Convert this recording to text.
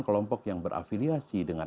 kelompok yang berafiliasi dengan